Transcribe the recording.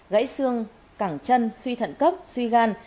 gãy xương cảng chân suy thận cấp suy gan